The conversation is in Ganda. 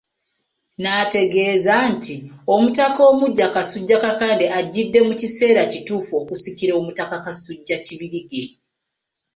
N'ategeeza nti, Omutaka omuggya Kasujja Kakande ajjidde mu kiseera kituufu okusikira Omutaka Kasujja Kibirige.